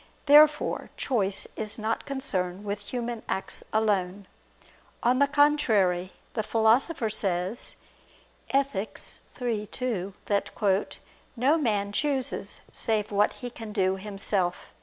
Therefore choice is not concerned with human acts alone. On the contrary, The Philosopher says (Ethic. iii, 2) that "no man chooses save what he can do himself."